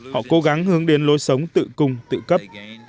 họ cố gắng hướng đến lối sống tự cung tự cấp